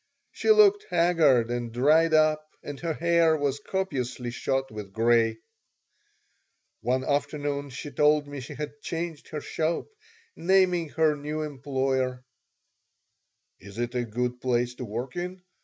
She looked haggard and dried up and her hair was copiously shot with gray One afternoon she told me she had changed her shop, naming her new employer "Is it a good place to work in?"